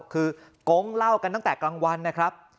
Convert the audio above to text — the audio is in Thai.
คือโก๊งเล่ากันตั้งแต่กลางวันนะครับ